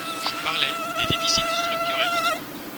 Je parlais des déficits structurels